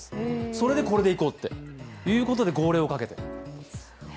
それで、これでいこうということで号令をかけたそうです。